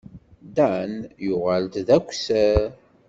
Dan yuɣal-d d akessar.